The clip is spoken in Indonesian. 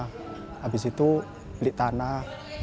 habis itu beli tanah